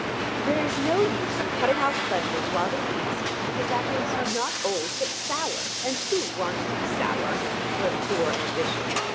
There is no use in cutting off pleasures, while they please you, because that makes you not old but sour, and who wants to be sour? What a poor ambition!